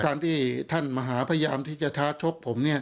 การที่ท่านมหาพยายามที่จะท้าชกผมเนี่ย